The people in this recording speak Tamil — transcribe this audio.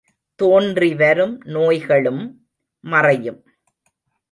தோன்றிவரும் நோய்களும் மறையும்.